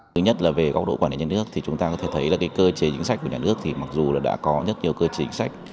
thứ nhất là về góc độ quản lý nhân nước chúng ta có thể thấy cơ chế chính sách của nhà nước mặc dù đã có rất nhiều cơ chế chính sách